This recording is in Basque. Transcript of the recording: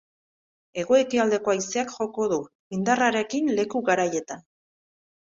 Hego-ekialdeko haizeak joko du, indarrarekin leku garaietan.